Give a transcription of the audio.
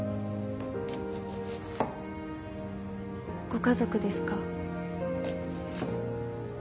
ご家族ですか？